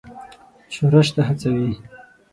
ښورښ ته وهڅوي.